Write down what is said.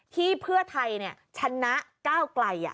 ที่เพือไทยเนี่ยชนะก้าวไกลอ่ะ